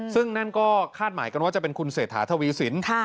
ซึ่งนั่นก็คาดหมายกันว่าจะเป็นคุณเศรษฐาทวีสิน